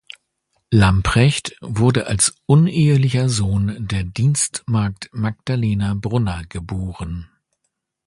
Lamprecht wurde als unehelicher Sohn der Dienstmagd Magdalena Brunner geboren.